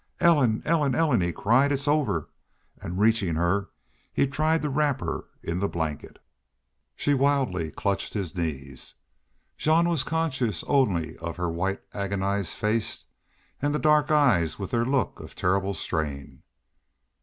"Ellen! Ellen! Ellen!" he cried. "It's over!" And reaching her, he tried to wrap her in the blanket. She wildly clutched his knees. Jean was conscious only of her white, agonized face and the dark eyes with their look of terrible strain.